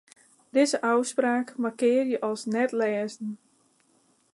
Dizze ôfspraak markearje as net-lêzen.